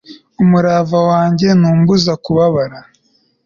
umurava wanjye ntumbuza kubabara